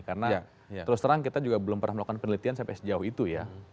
karena terus terang kita juga belum pernah melakukan penelitian sampai sejauh itu ya